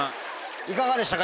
いかがでしたか？